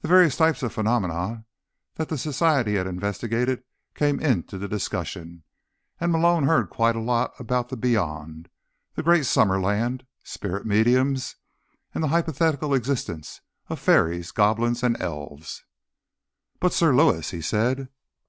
The various types of phenomena that the Society had investigated came into the discussion, and Malone heard quite a lot about the Beyond, the Great Summerland, Spirit Mediums and the hypothetical existence of fairies, goblins and elves. "But, Sir Lewis—" he said.